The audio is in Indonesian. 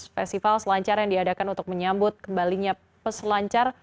festival selancar yang diadakan untuk menyambut kembalinya peselancar